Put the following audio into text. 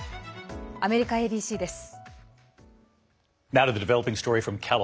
アメリカＡＢＣです。